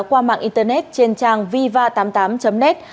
qua mạng internet trên trang viva tám mươi tám net